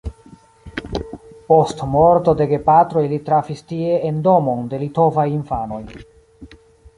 Post morto de gepatroj li trafis tie en domon de litovaj infanoj.